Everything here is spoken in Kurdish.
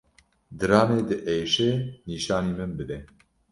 Diranê diêşe nîşanî min bide.